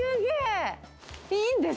いいんですか？